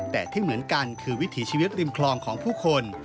แต่ที่เหมือนกันคือวิถีชีวิตริมคลองของผู้คน